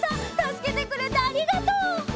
助けてくれてありがとう！」